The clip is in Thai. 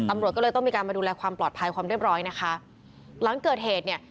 ตำรวจก็เลยต้องมีการมาดูแลความปลอดภัยความเรียบร้อยนะคะหลังเกิดเหตุเนี่ย